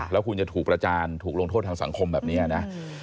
แล้วคุณจะถูกประจานถูกลงโทษทางสังคมแบบนี้นะ